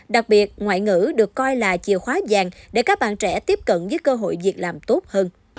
đặc biệt ngoại ngữ được coi là chìa khóa vàng để các bạn trẻ tiếp cận với cơ hội việc làm tốt hơn